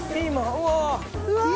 うわ！